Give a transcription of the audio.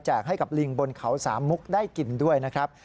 ให้กับลิงบนเขาสามมุกได้กินด้วยนะครับ